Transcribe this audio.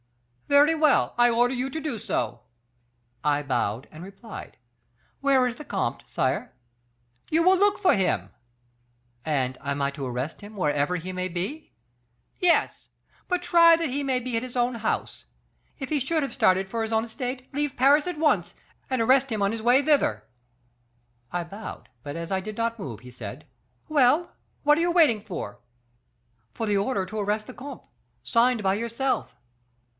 "'Very well; I order you to do so.' "I bowed, and replied, 'Where is the comte, sire?' "'You will look for him.' "'And am I to arrest him, wherever he may be?' "'Yes; but try that he may be at his own house. If he should have started for his own estate, leave Paris at once, and arrest him on his way thither.' "I bowed; but as I did not move, he said, 'Well, what are you waiting for?' "'For the order to arrest the comte, signed by yourself.